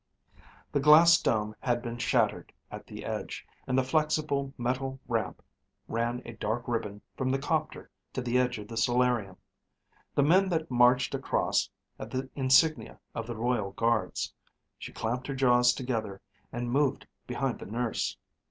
The glass dome had been shattered at the edge, and the flexible metal ramp ran a dark ribbon from the copter to the edge of the solarium. The men that marched across had the insignia of the royal guards. She clamped her jaws together and moved behind the nurse.